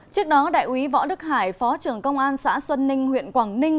trước đó đại úy võ đức hải phó trưởng công an xã xuân ninh huyện quảng ninh